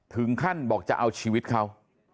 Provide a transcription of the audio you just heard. ถึงขั้นบอกจะเอาชีวิตเขา